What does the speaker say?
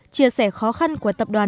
chia sẻ khó khăn của tập đoàn